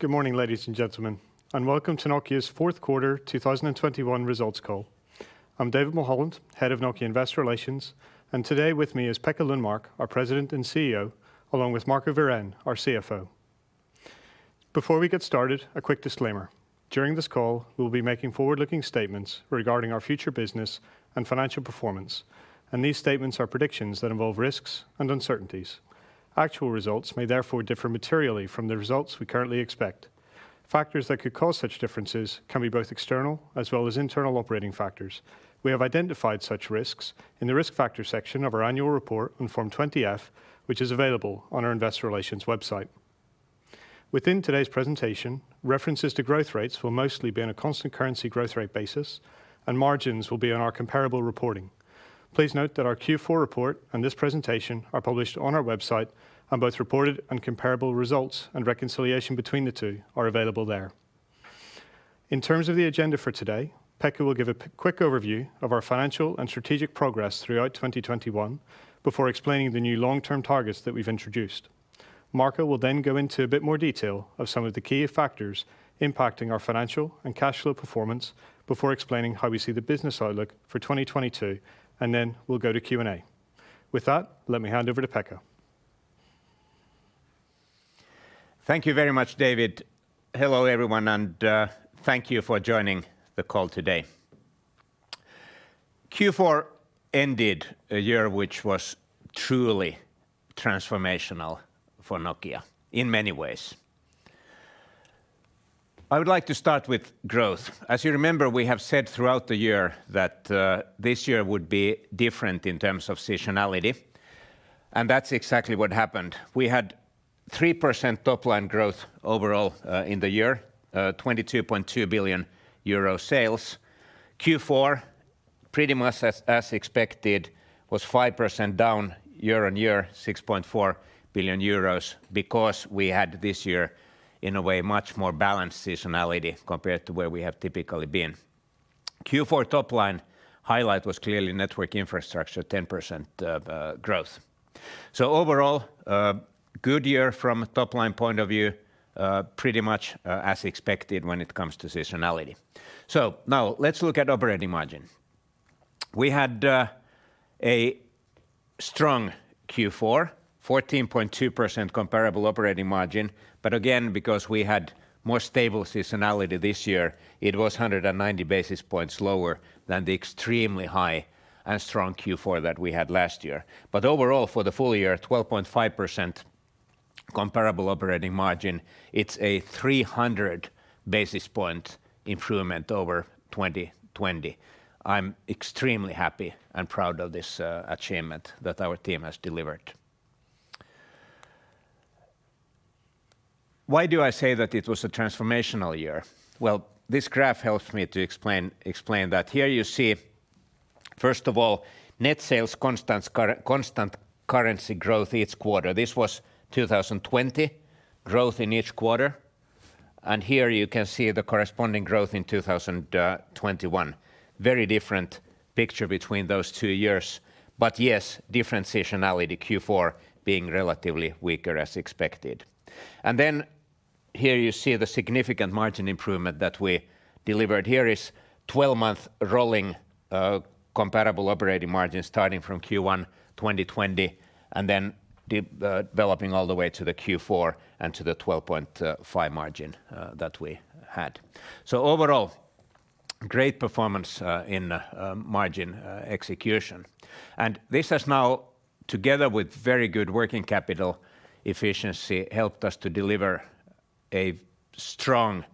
Good morning, ladies and gentlemen, and welcome to Nokia's Fourth Quarter 2021 Results Call. I'm David Mulholland, Head of Nokia Investor Relations, and today with me is Pekka Lundmark, our President and CEO, along with Marco Wirén, our CFO. Before we get started, a quick disclaimer. During this call, we'll be making forward-looking statements regarding our future business and financial performance, and these statements are predictions that involve risks and uncertainties. Actual results may therefore differ materially from the results we currently expect. Factors that could cause such differences can be both external, as well as internal operating factors. We have identified such risks in the Risk Factors section of our annual report on Form 20-F, which is available on our investor relations website. Within today's presentation, references to growth rates will mostly be on a constant currency growth rate basis and margins will be on our comparable reporting. Please note that our Q4 report and this presentation are published on our website and both reported and comparable results, and reconciliation between the two are available there. In terms of the agenda for today, Pekka will give a quick overview of our financial and strategic progress throughout 2021 before explaining the new long-term targets that we've introduced. Marco will then go into a bit more detail of some of the key factors impacting our financial and cash flow performance before explaining how we see the business outlook for 2022, and then we'll go to Q&A. With that, let me hand over to Pekka. Thank you very much, David. Hello, everyone, and thank you for joining the call today. Q4 ended a year which was truly transformational for Nokia in many ways. I would like to start with growth. As you remember, we have said throughout the year that this year would be different in terms of seasonality, and that's exactly what happened. We had 3% top-line growth overall in the year, 22.2 billion euro sales. Q4, pretty much as expected, was 5% down year on year, 6.4 billion euros because we had this year, in a way, much more balanced seasonality compared to where we have typically been. Q4 top line highlight was clearly Network Infrastructure, 10% growth. Overall, good year from a top-line point of view, pretty much, as expected when it comes to seasonality. Now let's look at operating margin. We had a strong Q4, 14.2% comparable operating margin. Again, because we had more stable seasonality this year, it was 190 basis points lower than the extremely high and strong Q4 that we had last year. Overall, for the full year, 12.5% comparable operating margin, it's a 300 basis point improvement over 2020. I'm extremely happy and proud of this achievement that our team has delivered. Why do I say that it was a transformational year? Well, this graph helps me to explain that. Here you see, first of all, net sales constant currency growth each quarter. This was 2020 growth in each quarter. Here you can see the corresponding growth in 2021. Very different picture between those two years. Yes, different seasonality, Q4 being relatively weaker as expected. Here you see the significant margin improvement that we delivered. Here is twelve-month rolling comparable operating margins starting from Q1 2020 and then developing all the way to the Q4 and to the 12.5% margin that we had. Overall, great performance in margin execution. This has now, together with very good working capital efficiency, helped us to deliver a strong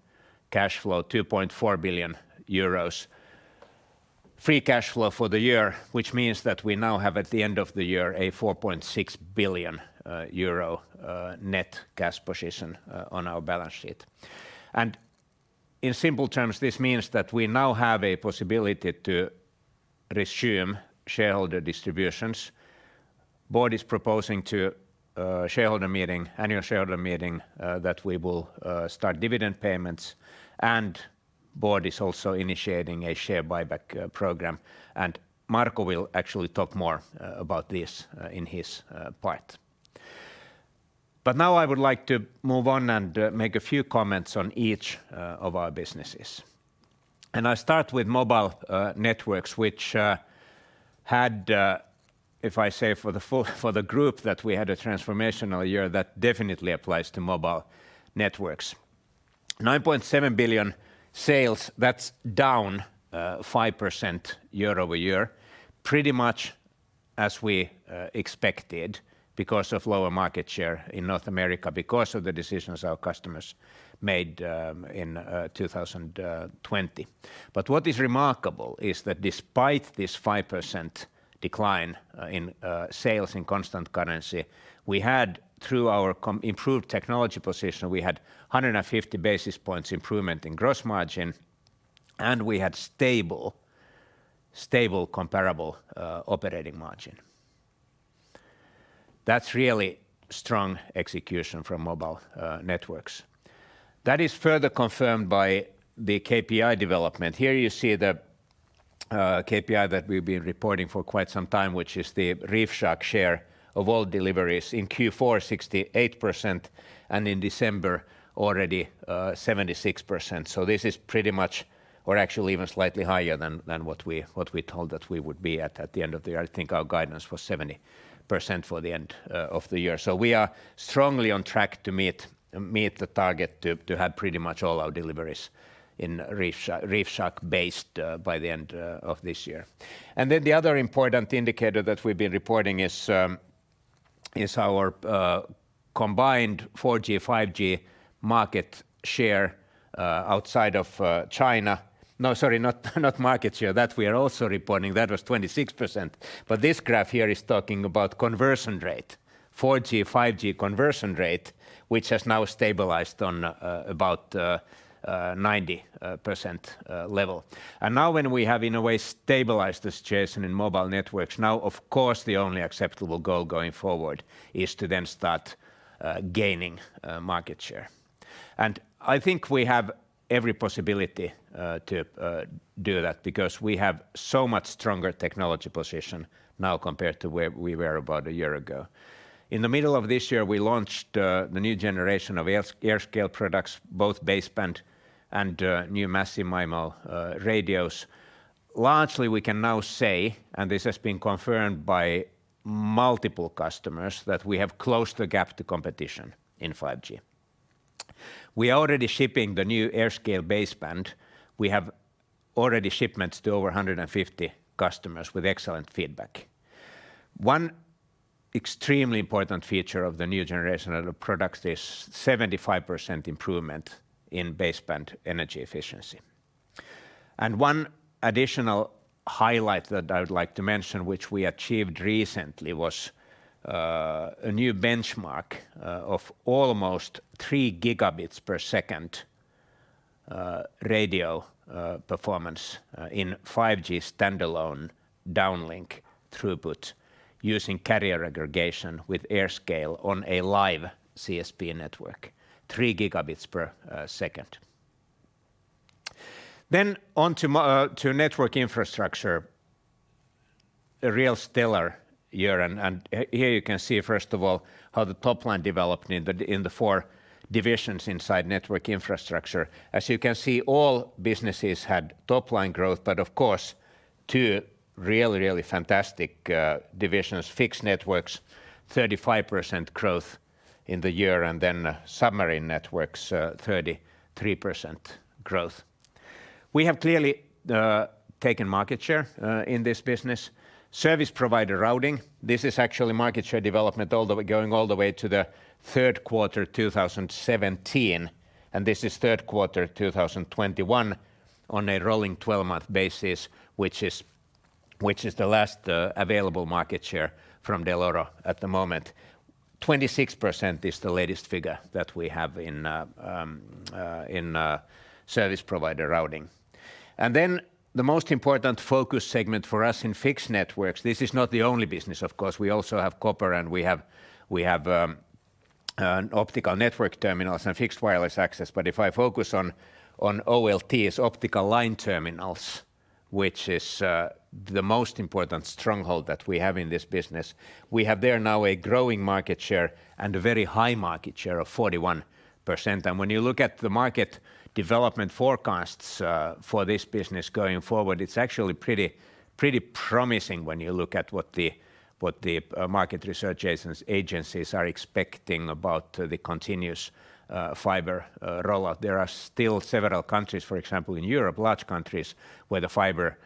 cash flow, 2.4 billion euros free cash flow for the year, which means that we now have at the end of the year, a 4.6 billion euro net cash position on our balance sheet. In simple terms, this means that we now have a possibility to resume shareholder distributions. Board is proposing to a shareholder meeting, annual shareholder meeting, that we will start dividend payments, and board is also initiating a share buyback program, and Marco will actually talk more about this in his part. Now I would like to move on and make a few comments on each of our businesses. I start with Mobile Networks which had, if I say for the group that we had a transformational year, that definitely applies to Mobile Networks. 9.7 billion sales, that's down 5% year-over-year, pretty much as we expected because of lower market share in North America because of the decisions our customers made in 2020. What is remarkable is that despite this 5% decline in sales in constant currency, we had through our improved technology position, we had 150 basis points improvement in gross margin, and we had stable comparable operating margin. That's really strong execution from Mobile Networks. That is further confirmed by the KPI development. Here you see the KPI that we've been reporting for quite some time, which is the ReefShark share of all deliveries. In Q4, 68%, and in December already, 76%. This is pretty much or actually even slightly higher than what we told that we would be at the end of the year. I think our guidance was 70% for the end of the year. We are strongly on track to meet the target to have pretty much all our deliveries in ReefShark based by the end of this year. Then the other important indicator that we've been reporting is our combined 4G, 5G market share outside of China. No, sorry, not market share. That we are also reporting. That was 26%. This graph here is talking about conversion rate, 4G, 5G conversion rate, which has now stabilized on about 90% level. Now when we have, in a way, stabilized the situation in mobile networks, now of course the only acceptable goal going forward is to then start gaining market share. I think we have every possibility to do that because we have so much stronger technology position now compared to where we were about a year ago. In the middle of this year, we launched the new generation of AirScale products, both baseband and new Massive MIMO radios. Largely we can now say, and this has been confirmed by multiple customers, that we have closed the gap to competition in 5G. We are already shipping the new AirScale baseband. We have already shipments to over 150 customers with excellent feedback. One extremely important feature of the new generation of the products is 75% improvement in baseband energy efficiency. One additional highlight that I would like to mention which we achieved recently was a new benchmark of almost 3 gigabits per second radio performance in 5G Standalone downlink throughput using carrier aggregation with AirScale on a live CSP network. Three gigabits per second. Then on to Network Infrastructure. A real stellar year. Here you can see, first of all, how the top line developed in the four divisions inside Network Infrastructure. As you can see, all businesses had top-line growth, but of course two really, really fantastic divisions. Fixed Networks, 35% growth in the year, and then Submarine Networks, 33% growth. We have clearly taken market share in this business. Service provider routing, this is actually market share development all the way to the third quarter 2017, and this is third quarter 2021 on a rolling twelve-month basis, which is the last available market share from Dell'Oro at the moment. 26% is the latest figure that we have in service provider routing. The most important focus segment for us in Fixed Networks, this is not the only business of course. We also have copper, and we have optical network terminals and Fixed Wireless Access. If I focus on OLTs, Optical Line Terminals, which is the most important stronghold that we have in this business, we have there now a growing market share and a very high market share of 41%. When you look at the market development forecasts for this business going forward, it's actually pretty promising when you look at what the market research agencies are expecting about the continuous fiber rollout. There are still several countries, for example in Europe, large countries, where the fiber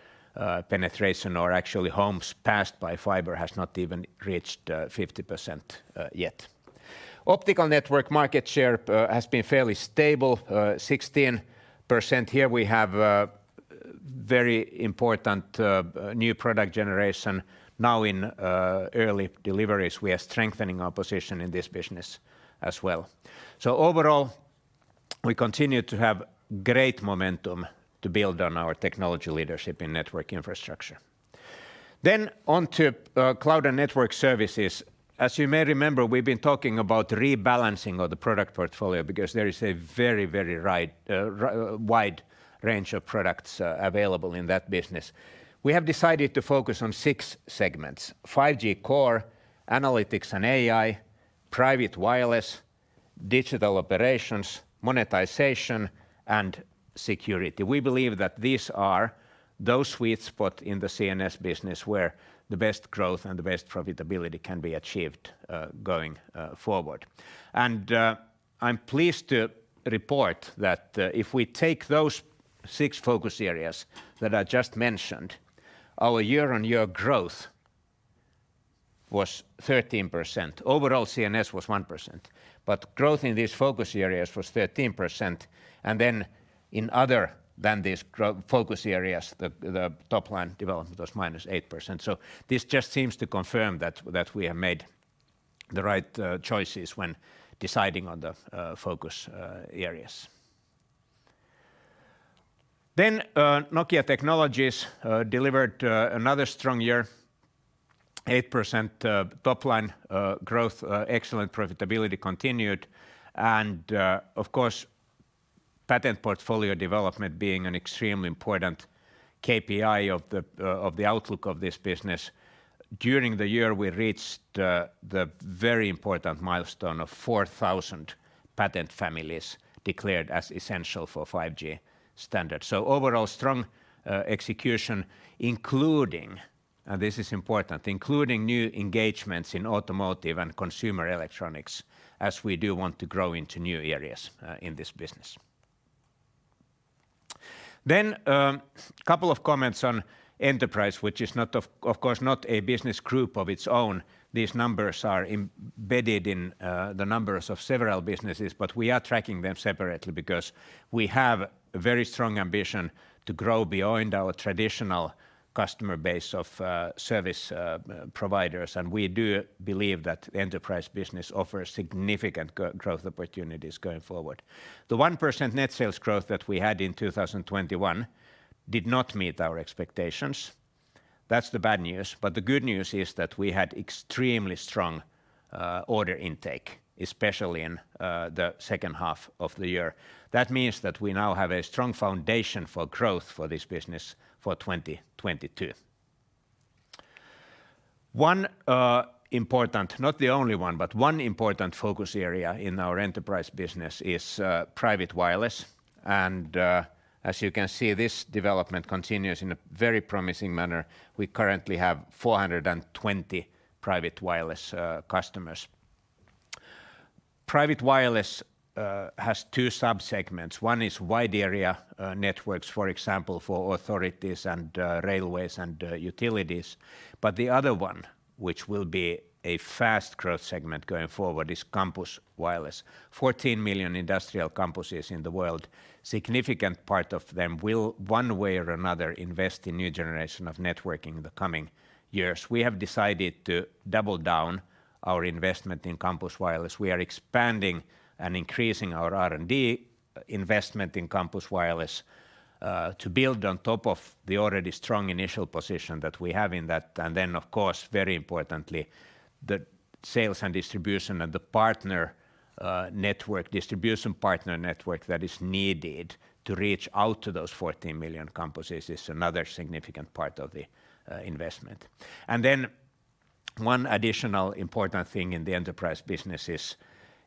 penetration or actually homes passed by fiber has not even reached 50% yet. Optical network market share has been fairly stable 16%. Here we have very important new product generation now in early deliveries. We are strengthening our position in this business as well. Overall, we continue to have great momentum to build on our technology leadership in Network Infrastructure. On to Cloud and Network Services. As you may remember, we've been talking about rebalancing of the product portfolio because there is a very, very wide range of products available in that business. We have decided to focus on six segments: 5G Core, Analytics and AI, Private Wireless, Digital Operations, Monetization, and Security. We believe that these are those sweet spot in the CNS business where the best growth and the best profitability can be achieved going forward. I'm pleased to report that if we take those six focus areas that I just mentioned, our year-on-year growth was 13%. Overall CNS was 1%, but growth in these focus areas was 13%. In other than these focus areas, the top-line development was -8%. This just seems to confirm that we have made the right choices when deciding on the focus areas. Nokia Technologies delivered another strong year. 8% top-line growth, excellent profitability continued. Of course, patent portfolio development being an extremely important KPI of the outlook of this business. During the year, we reached the very important milestone of 4,000 patent families declared as essential for 5G standards. Overall strong execution, including, and this is important, including new engagements in automotive and consumer electronics as we do want to grow into new areas in this business. Couple of comments on enterprise, which is not, of course, not a business group of its own. These numbers are embedded in the numbers of several businesses, but we are tracking them separately because we have a very strong ambition to grow beyond our traditional customer base of service providers. We do believe that enterprise business offers significant growth opportunities going forward. The 1% net sales growth that we had in 2021 did not meet our expectations. That's the bad news. The good news is that we had extremely strong order intake, especially in the H2 of the year. That means that we now have a strong foundation for growth for this business for 2022. One important, not the only one, but one important focus area in our enterprise business is private wireless. As you can see, this development continues in a very promising manner. We currently have 420 private wireless customers. Private wireless has two sub-segments. One is wide area networks, for example, for authorities and railways and utilities. The other one, which will be a fast growth segment going forward, is campus wireless. 14 million industrial campuses in the world, significant part of them will, one way or another, invest in new generation of networking in the coming years. We have decided to double down our investment in campus wireless. We are expanding and increasing our R&D investment in campus wireless to build on top of the already strong initial position that we have in that. Of course, very importantly, the sales and distribution and the partner network, distribution partner network that is needed to reach out to those 14 million campuses is another significant part of the investment. One additional important thing in the enterprise business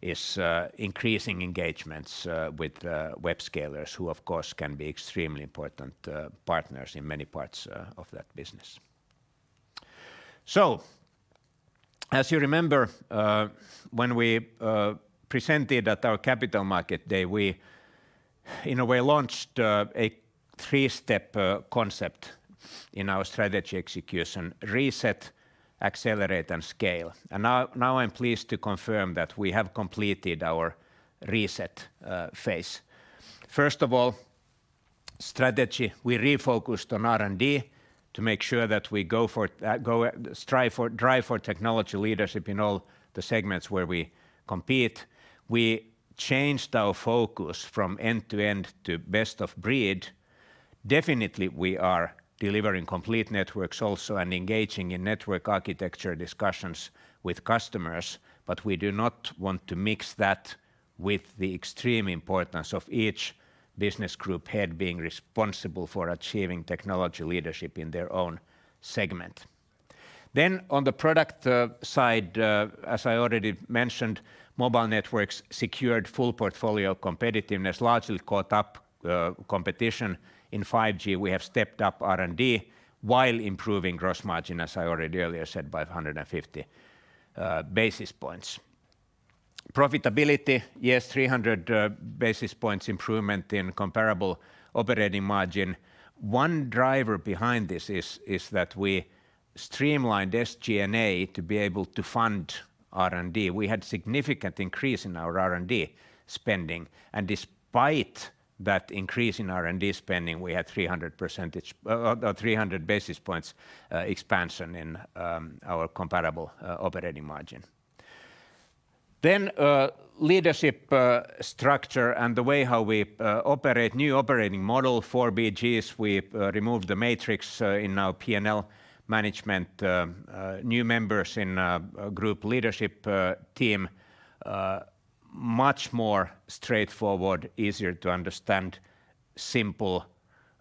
is increasing engagements with hyperscalers, who of course can be extremely important partners in many parts of that business. As you remember, when we presented at our Capital Markets Day, we in a way launched a three-step concept in our strategy execution, reset, accelerate, and scale. Now I'm pleased to confirm that we have completed our reset phase. First of all, strategy. We refocused on R&D to make sure that we drive for technology leadership in all the segments where we compete. We changed our focus from end-to-end to best-of-breed. Definitely, we are delivering complete networks also and engaging in network architecture discussions with customers, but we do not want to mix that with the extreme importance of each business group head being responsible for achieving technology leadership in their own segment. On the product side, as I already mentioned, Mobile Networks secured full portfolio competitiveness, largely caught up competition. In 5G, we have stepped up R&D while improving gross margin, as I already earlier said, by 150 basis points. Profitability, yes, 300 basis points improvement in comparable operating margin. One driver behind this is that we streamlined SG&A to be able to fund R&D. We had significant increase in our R&D spending. Despite that increase in R&D spending, we had 300 basis points expansion in our comparable operating margin. Leadership structure and the way how we operate new operating model for BGs. We removed the matrix in our P&L management, new members in group leadership team, much more straightforward, easier to understand, simple,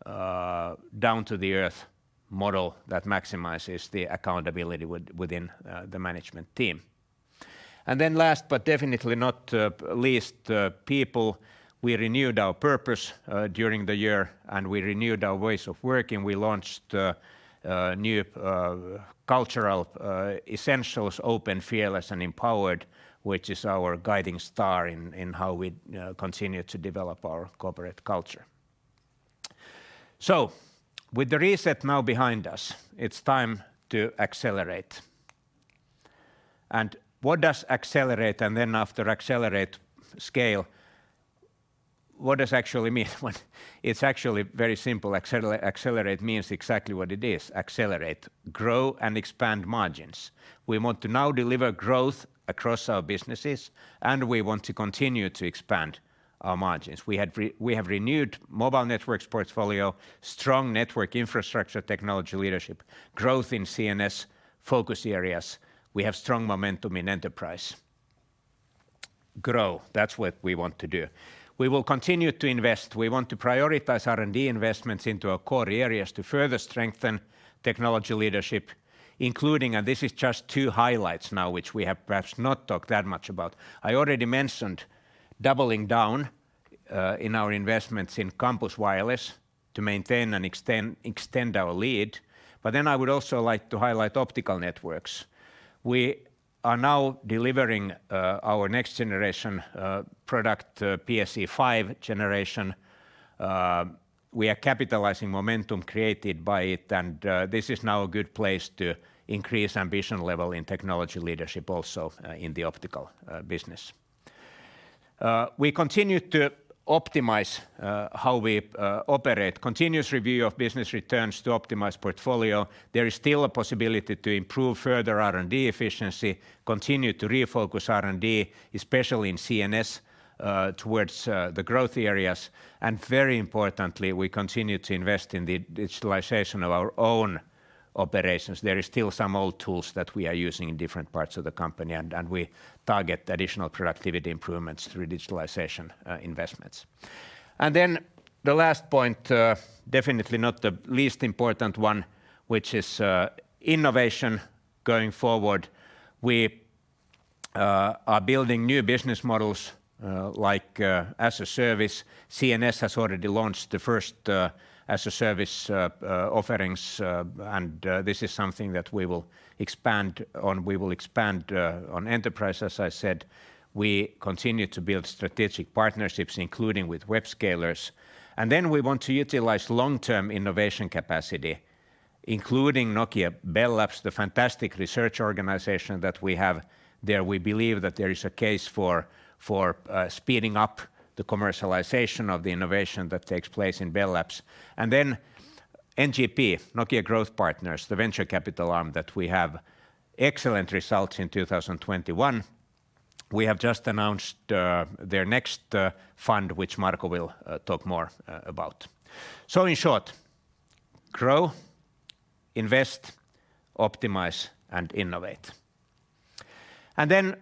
down-to-the-earth model that maximizes the accountability within the management team. Last but definitely not least, people, we renewed our purpose during the year, and we renewed our ways of working. We launched new cultural essentials, open, fearless, and empowered, which is our guiding star in how we continue to develop our corporate culture. With the reset now behind us, it's time to accelerate. What does accelerate and then after accelerate scale, what does actually mean? What? It's actually very simple. Accelerate means exactly what it is, accelerate. Grow and expand margins. We want to now deliver growth across our businesses, and we want to continue to expand our margins. We have renewed Mobile Networks portfolio, strong Network Infrastructure, technology leadership, growth in CNS focus areas. We have strong momentum in enterprise. Grow, that's what we want to do. We will continue to invest. We want to prioritize R&D investments into our core areas to further strengthen technology leadership, including. This is just two highlights now which we have perhaps not talked that much about. I already mentioned doubling down in our investments in campus wireless to maintain and extend our lead. I would also like to highlight Optical Networks. We are now delivering our next generation product PSE-V generation. We are capitalizing momentum created by it, and this is now a good place to increase ambition level in technology leadership also in the optical business. We continue to optimize how we operate. Continuous review of business returns to optimize portfolio. There is still a possibility to improve further R&D efficiency, continue to refocus R&D, especially in CNS, towards the growth areas. Very importantly, we continue to invest in the digitalization of our own operations. There is still some old tools that we are using in different parts of the company, and we target additional productivity improvements through digitalization investments. Then the last point, definitely not the least important one, which is innovation going forward. We are building new business models, like, as-a-service. CNS has already launched the first as-a-service offerings, and this is something that we will expand on. We will expand on enterprise, as I said. We continue to build strategic partnerships, including with web scalers. We want to utilize long-term innovation capacity, including Nokia Bell Labs, the fantastic research organization that we have there. We believe that there is a case for speeding up the commercialization of the innovation that takes place in Bell Labs. NGP, Nokia Growth Partners, the venture capital arm that we have. Excellent results in 2021. We have just announced their next fund, which Marco will talk more about. In short, grow, invest, optimize, and innovate. Then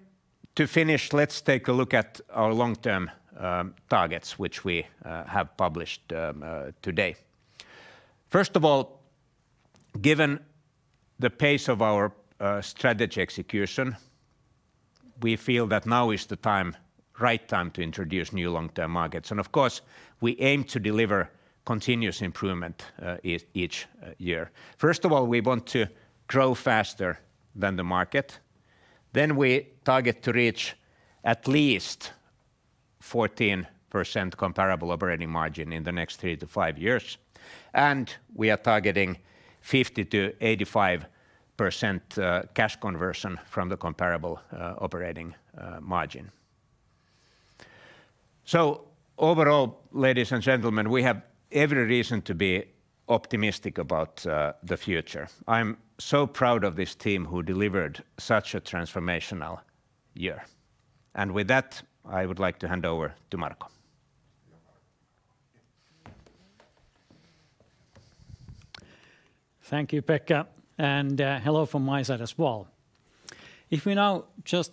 to finish, let's take a look at our long-term targets which we have published today. First of all, given the pace of our strategy execution, we feel that now is the right time to introduce new long-term markets. Of course, we aim to deliver continuous improvement each year. First of all, we want to grow faster than the market. We target to reach at least 14% comparable operating margin in the next 3-5 years, and we are targeting 50%-85% cash conversion from the comparable operating margin. Overall, ladies and gentlemen, we have every reason to be optimistic about the future. I'm so proud of this team who delivered such a transformational year. With that, I would like to hand over to Marco. Thank you, Pekka, and hello from my side as well. If we now just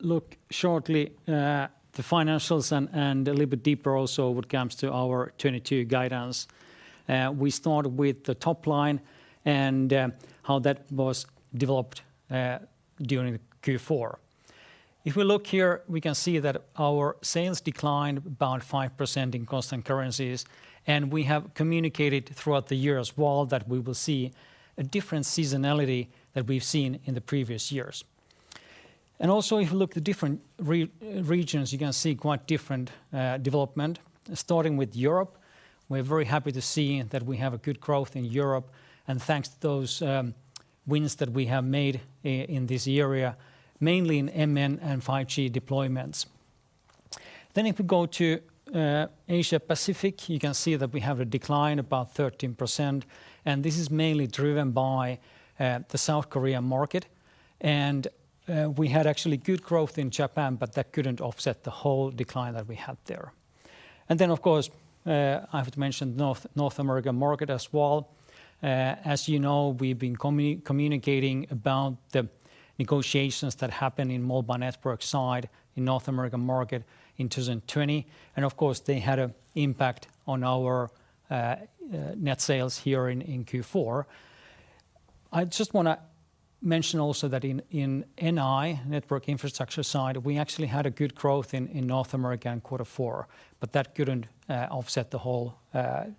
look shortly the financials and a little bit deeper also when it comes to our 2022 guidance, we start with the top line and how that was developed during Q4. If we look here, we can see that our sales declined about 5% in constant currencies, and we have communicated throughout the year as well that we will see a different seasonality than we've seen in the previous years. Also, if you look at the different regions, you can see quite different development, starting with Europe. We're very happy to see that we have a good growth in Europe, and thanks to those wins that we have made in this area, mainly in MN and 5G deployments. If we go to Asia Pacific, you can see that we have a decline about 13%, and this is mainly driven by the South Korean market. We had actually good growth in Japan, but that couldn't offset the whole decline that we had there. Of course, I have to mention North American market as well. As you know, we've been communicating about the negotiations that happened in mobile network side in North American market in 2020, and of course, they had an impact on our net sales here in Q4. I just wanna mention also that in NI, network infrastructure side, we actually had a good growth in North America in quarter four, but that couldn't offset the whole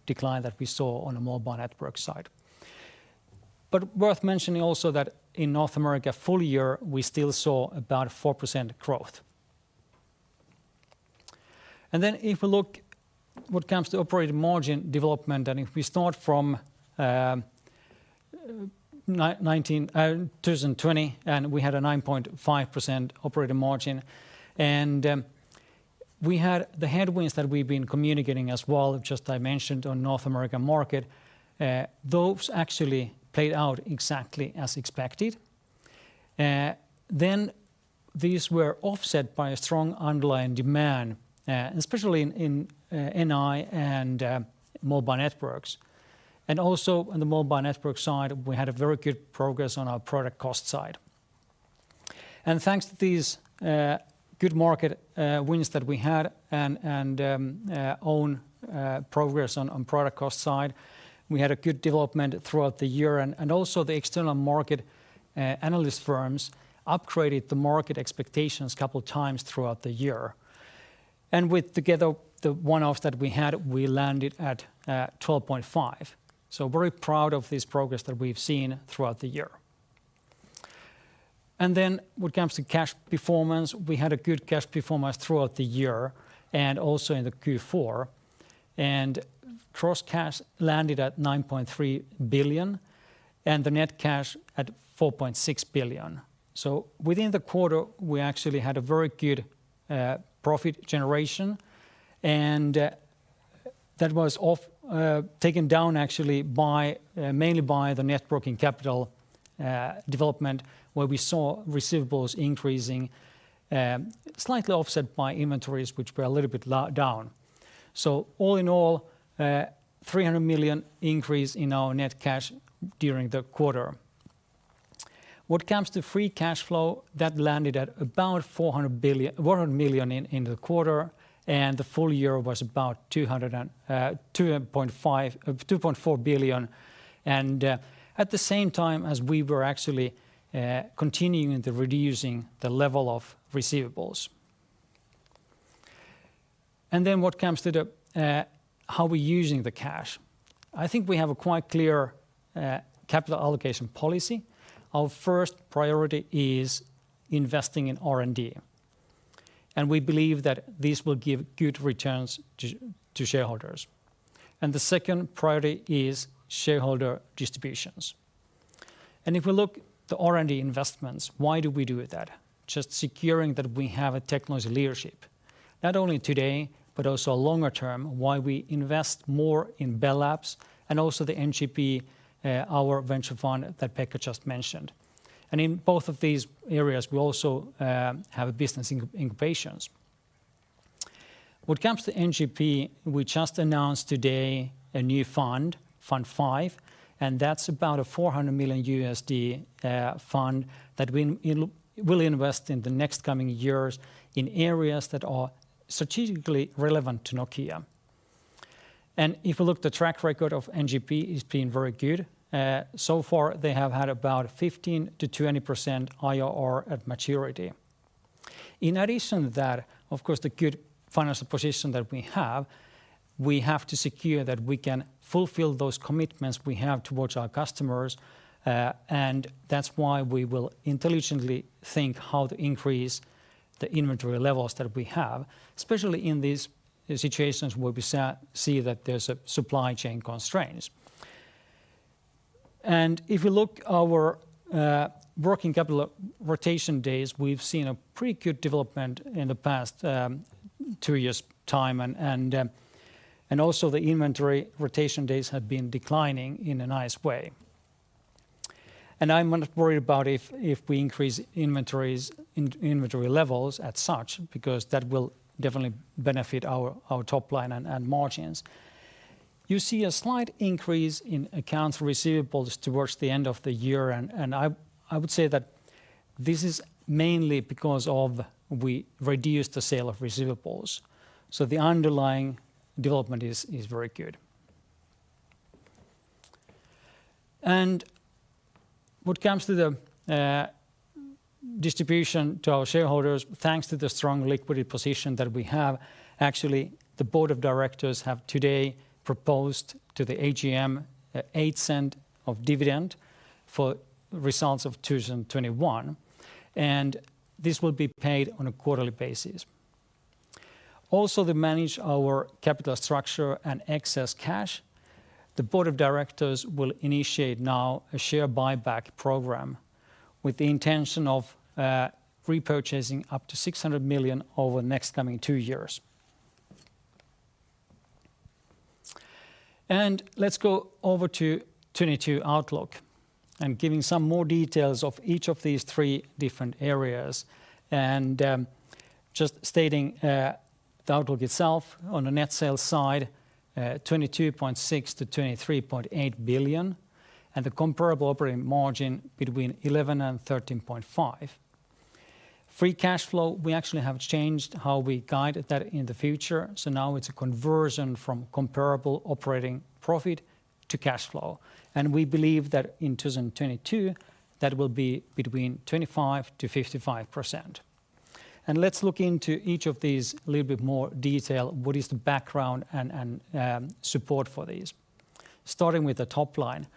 decline that we saw on a mobile network side. Worth mentioning also that in North America full year, we still saw about 4% growth. If we look at what comes to operating margin development, and if we start from 2019, 2020, and we had a 9.5% operating margin. We had the headwinds that we've been communicating as well, as I mentioned on North American market, those actually played out exactly as expected. These were offset by a strong underlying demand, especially in NI and Mobile Networks. Also on the Mobile Networks side, we had very good progress on our product cost side. Thanks to these good market wins that we had and our progress on product cost side, we had a good development throughout the year. Also the external market analyst firms upgraded the market expectations a couple of times throughout the year. Together with the one-offs that we had, we landed at 12.5%. Very proud of this progress that we've seen throughout the year. When it comes to cash performance, we had a good cash performance throughout the year and also in the Q4. Gross cash landed at 9.3 billion and the net cash at 4.6 billion. Within the quarter, we actually had a very good profit generation, and that was actually taken down by mainly the net working capital development, where we saw receivables increasing, slightly offset by inventories which were a little bit down. All in all, 300 million increase in our net cash during the quarter. When it comes to free cash flow, that landed at about 400 million in the quarter, and the full year was about 2.4 billion. At the same time as we were actually continuing to reduce the level of receivables. When it comes to how we're using the cash, I think we have a quite clear capital allocation policy. Our first priority is investing in R&D. We believe that this will give good returns to shareholders. If we look to R&D investments, why do we do that? Just securing that we have a technology leadership, not only today, but also longer term, why we invest more in Bell Labs and also the NGP, our venture fund that Pekka just mentioned. In both of these areas, we also have a business incubations. When it comes to NGP, we just announced today a new fund five, and that's about a $400 million fund that we will invest in the next coming years in areas that are strategically relevant to Nokia. If you look, the track record of NGP is being very good. So far, they have had about 15%-20% IRR at maturity. In addition to that, of course, the good financial position that we have, we have to secure that we can fulfill those commitments we have towards our customers, and that's why we will intelligently think how to increase the inventory levels that we have, especially in these situations where we see that there's a supply chain constraints. If you look at our working capital rotation days, we've seen a pretty good development in the past two years' time and also the inventory rotation days have been declining in a nice way. I'm not worried about if we increase inventory levels as such, because that will definitely benefit our top line and margins. You see a slight increase in accounts receivables towards the end of the year. I would say that this is mainly because we reduced the sale of receivables. The underlying development is very good. What comes to the distribution to our shareholders, thanks to the strong liquidity position that we have, actually, the Board of Directors have today proposed to the AGM a dividend of EUR 0.08 for results of 2021, and this will be paid on a quarterly basis. Also to manage our capital structure and excess cash, the Board of Directors will initiate now a share buyback program with the intention of repurchasing up to 600 million over the next coming two years. Let's go over to 2022 outlook. I'm giving some more details of each of these three different areas. Just stating the outlook itself on the net sales side, 22.6 billion-23.8 billion and the comparable operating margin 11%-13.5%. Free cash flow, we actually have changed how we guide that in the future. Now it's a conversion from comparable operating profit to cash flow. We believe that in 2022, that will be 25%-55%. Let's look into each of these a little bit more detail. What is the background and support for these? Starting with the top line.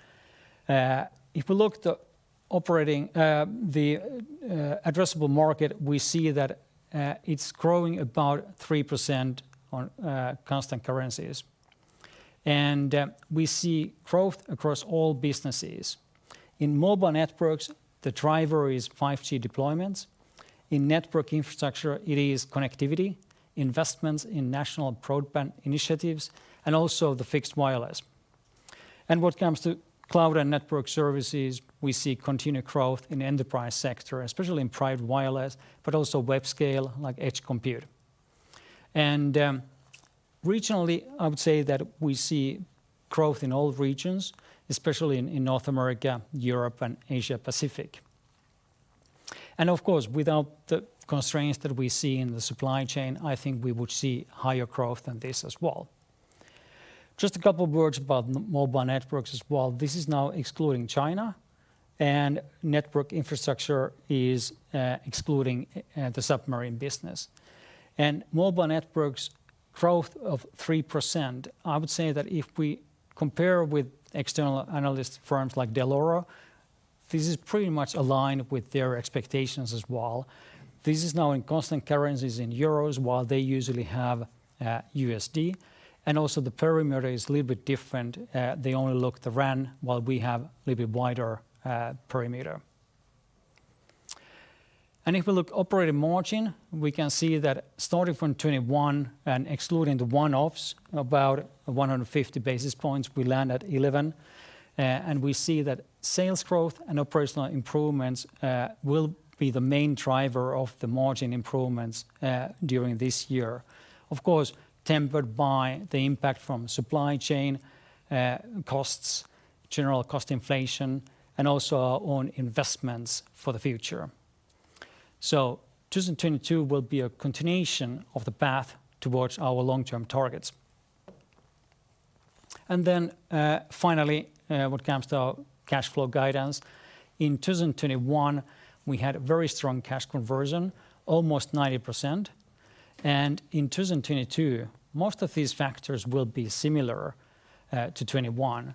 If we look at the overall addressable market, we see that it's growing about 3% on constant currencies. We see growth across all businesses. In Mobile Networks, the driver is 5G deployments. In Network Infrastructure, it is connectivity, investments in national broadband initiatives, and also the fixed wireless. When it comes to Cloud and Network Services, we see continued growth in enterprise sector, especially in private wireless, but also web scale, like edge compute. Regionally, I would say that we see growth in all regions, especially in North America, Europe, and Asia Pacific. Of course, without the constraints that we see in the supply chain, I think we would see higher growth than this as well. Just a couple words about mobile networks as well. This is now excluding China, and Network Infrastructure is excluding the Submarine Networks business. Mobile Networks growth of 3%, I would say that if we compare with external analyst firms like Dell'Oro, this is pretty much aligned with their expectations as well. This is now in constant currencies in euros while they usually have USD. Also the perimeter is a little bit different. They only look at the RAN while we have a little bit wider perimeter. If we look operating margin, we can see that starting from 2021 and excluding the one-offs, about 100 basis points, we land at 11. We see that sales growth and operational improvements will be the main driver of the margin improvements during this year. Of course, tempered by the impact from supply chain costs, general cost inflation, and also our own investments for the future. 2022 will be a continuation of the path towards our long-term targets. Finally, when it comes to cash flow guidance, in 2021, we had a very strong cash conversion, almost 90%. In 2022, most of these factors will be similar to 2021.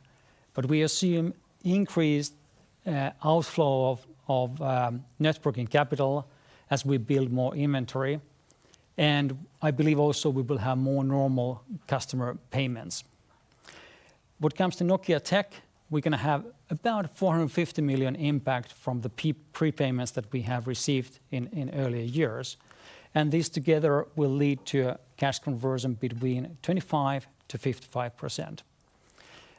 We assume increased outflow of net working capital as we build more inventory. I believe also we will have more normal customer payments. When it comes to Nokia Technologies, we're gonna have about 450 million impact from the prepayments that we have received in earlier years. These together will lead to cash conversion between 25%-55%.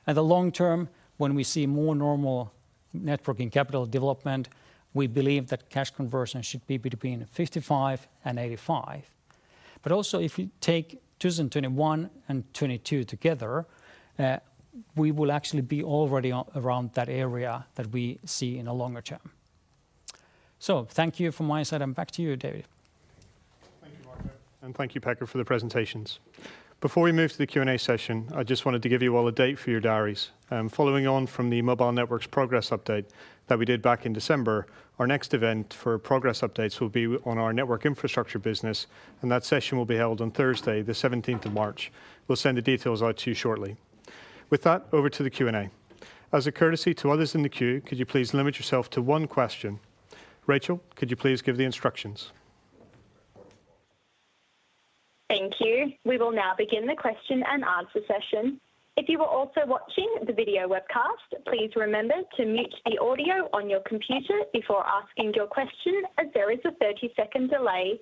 In the long term, when we see more normal net working capital development, we believe that cash conversion should be between 55% and 85%. if you take 2021 and 2022 together, we will actually be already around that area that we see in the longer term. Thank you from my side, and back to you, David. Thank you, Marco. And thank you, Pekka, for the presentations. Before we move to the Q&A session, I just wanted to give you all a date for your diaries. Following on from the Mobile Networks progress update that we did back in December, our next event for progress updates will be on our Network Infrastructure business, and that session will be held on Thursday the seventeenth of March. We'll send the details out to you shortly. With that, over to the Q&A. As a courtesy to others in the queue, could you please limit yourself to one question? Rachel, could you please give the instructions? Thank you. We will now begin the question and answer session. If you are also watching the video webcast, please remember to mute the audio on your computer before asking your question as there is a 30-second delay.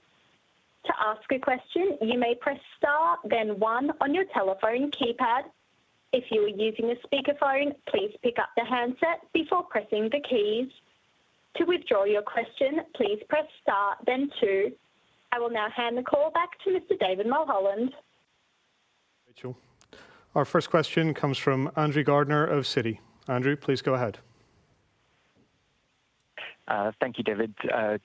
To ask a question, you may press star then one on your telephone keypad. If you are using a speakerphone, please pick up the handset before pressing the keys. To withdraw your question, please press star then two. I will now hand the call back to Mr. David Mulholland. Thank you, Rachel. Our first question comes from Andrew Gardiner of Citi. Andrew, please go ahead. Thank you, David.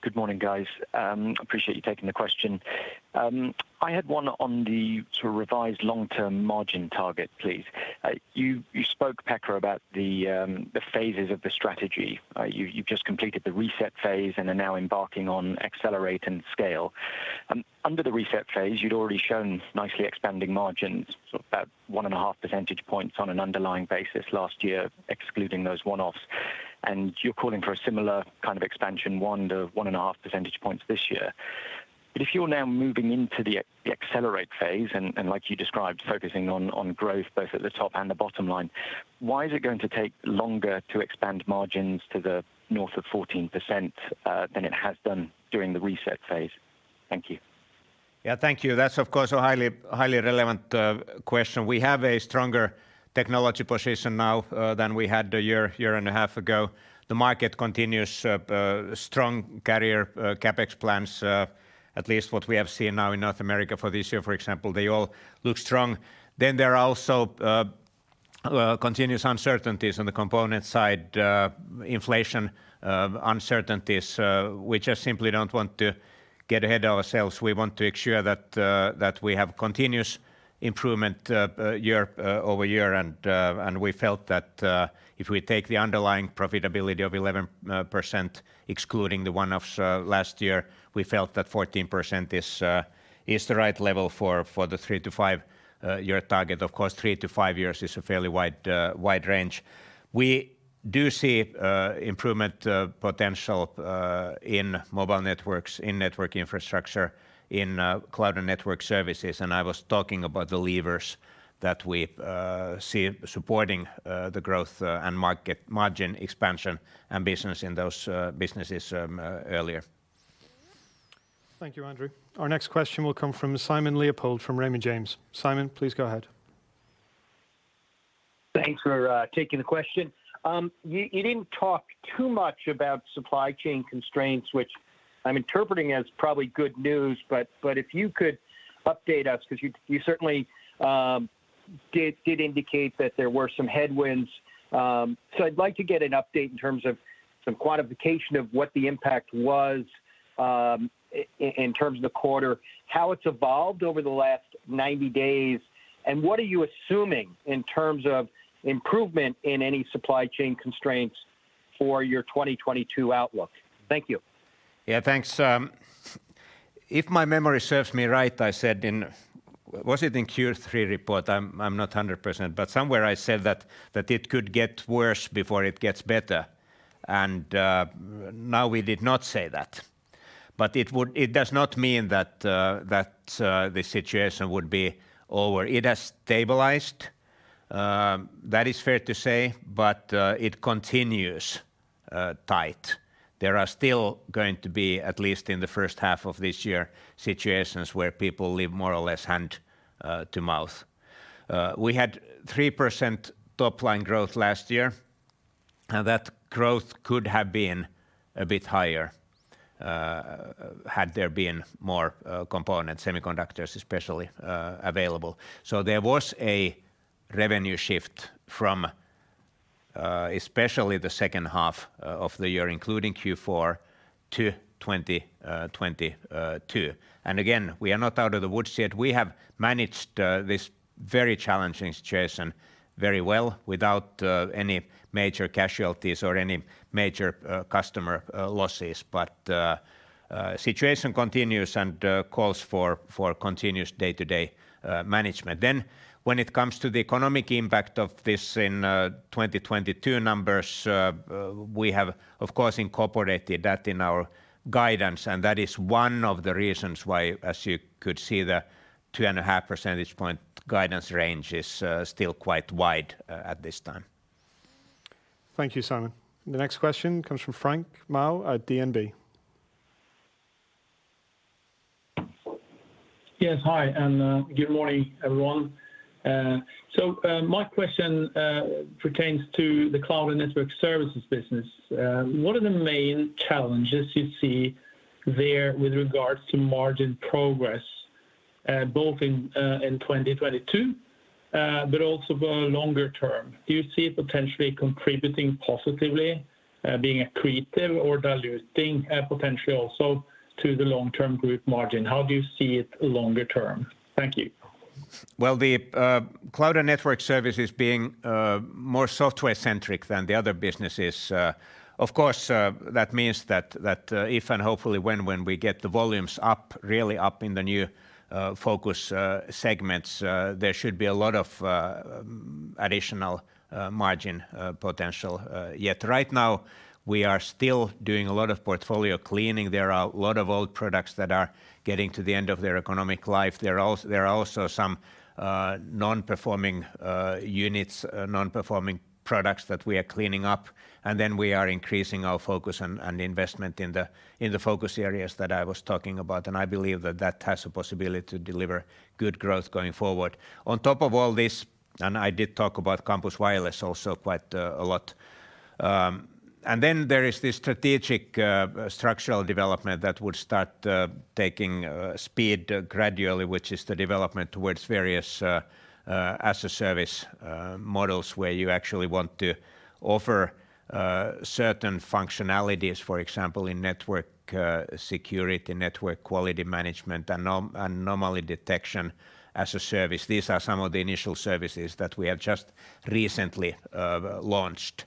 Good morning, guys. Appreciate you taking the question. I had one on the sort of revised long-term margin target, please. You spoke, Pekka, about the phases of the strategy. You've just completed the reset phase and are now embarking on accelerate and scale. Under the reset phase, you'd already shown nicely expanding margins, sort of about 1.5 percentage points on an underlying basis last year, excluding those one-offs. You're calling for a similar kind of expansion, 1-1.5 percentage points this year. If you're now moving into the accelerate phase and like you described, focusing on growth both at the top and the bottom line, why is it going to take longer to expand margins to the north of 14%, than it has done during the reset phase? Thank you. Yeah, thank you. That's, of course, a highly relevant question. We have a stronger technology position now than we had a year and a half ago. The market continues strong carrier CapEx plans, at least what we have seen now in North America for this year, for example. They all look strong. Then there are also continuous uncertainties on the component side, inflation, uncertainties. We just simply don't want to get ahead of ourselves. We want to ensure that we have continuous improvement year over year. We felt that if we take the underlying profitability of 11%, excluding the one-offs last year, 14% is the right level for the three to five year target. Of course, three to five years is a fairly wide range. We do see improvement potential in Mobile Networks, in Network Infrastructure, in Cloud and Network Services, and I was talking about the levers that we see supporting the growth and margin expansion ambitions in those businesses earlier. Thank you, Andrew. Our next question will come from Simon Leopold from Raymond James. Simon, please go ahead. Thanks for taking the question. You didn't talk too much about supply chain constraints, which I'm interpreting as probably good news. If you could update us because you certainly did indicate that there were some headwinds. I'd like to get an update in terms of some quantification of what the impact was in terms of the quarter, how it's evolved over the last 90 days, and what are you assuming in terms of improvement in any supply chain constraints for your 2022 outlook? Thank you. Yeah, thanks. If my memory serves me right, I said in... Was it in Q3 report? I'm not 100%. Somewhere I said that it could get worse before it gets better, and now we did not say that. It does not mean that the situation would be over. It has stabilized, that is fair to say, but it continues tight. There are still going to be, at least in the first half of this year, situations where people live more or less hand to mouth. We had 3% top-line growth last year, and that growth could have been a bit higher, had there been more components, semiconductors especially, available. There was a revenue shift from especially the H2 of the year, including Q4 to 2022. We are not out of the woods yet. We have managed this very challenging situation very well without any major casualties or any major customer losses. The situation continues and calls for continuous day-to-day management. When it comes to the economic impact of this in 2022 numbers, we have of course incorporated that in our guidance, and that is one of the reasons why, as you could see, the 2.5 percentage point guidance range is still quite wide at this time. Thank you, Simon. The next question comes from Frank Maaø at DNB. Yes. Hi, and good morning, everyone. So, my question pertains to the Cloud and Network Services business. What are the main challenges you see there with regards to margin progress, both in 2022, but also longer term? Do you see it potentially contributing positively, being accretive or diluting, potentially also to the long-term group margin? How do you see it longer term? Thank you. Well, the Cloud and Network Services being more software-centric than the other businesses, of course, that means that if and hopefully when we get the volumes up really up in the new focus segments, there should be a lot of additional margin potential. Yet right now, we are still doing a lot of portfolio cleaning. There are a lot of old products that are getting to the end of their economic life. There are also some non-performing units, non-performing products that we are cleaning up. Then we are increasing our focus and investment in the focus areas that I was talking about. I believe that has a possibility to deliver good growth going forward. On top of all this, I did talk about campus wireless also quite a lot. There is this strategic structural development that would start taking speed gradually, which is the development towards various as-a-service models where you actually want to offer certain functionalities. For example, in network security, network quality management, and anomaly detection as a service. These are some of the initial services that we have just recently launched.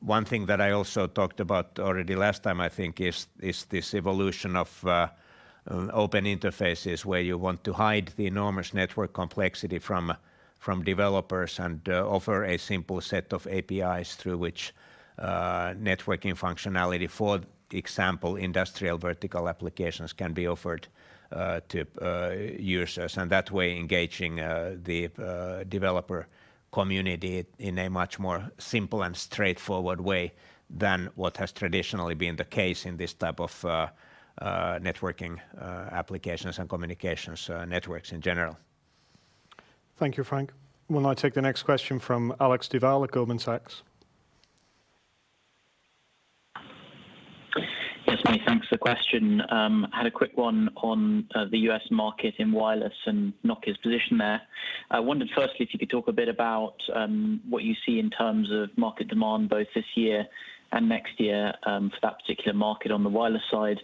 One thing that I also talked about already last time, I think, is this evolution of open interfaces where you want to hide the enormous network complexity from developers and offer a simple set of APIs through which networking functionality. For example, industrial vertical applications can be offered to users, and that way engaging the developer community in a much more simple and straightforward way than what has traditionally been the case in this type of networking applications and communications networks in general. Thank you, Frank. We'll now take the next question from Alexander Duval at Goldman Sachs. Yes, mate. Thanks for the question. I had a quick one on the U.S. market in wireless and Nokia's position there. I wondered firstly if you could talk a bit about what you see in terms of market demand both this year and next year for that particular market on the wireless side.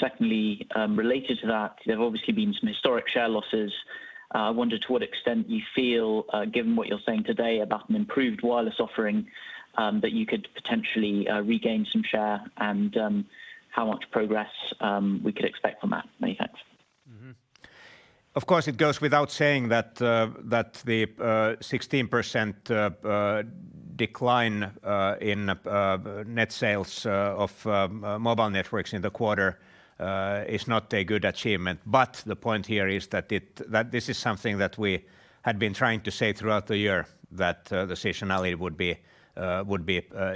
Secondly, related to that, there have obviously been some historic share losses. I wonder to what extent you feel, given what you're saying today about an improved wireless offering, that you could potentially regain some share and how much progress we could expect from that. Many thanks. Of course, it goes without saying that the 16% decline in net sales of Mobile Networks in the quarter is not a good achievement. The point here is that this is something that we had been trying to say throughout the year that the seasonality would be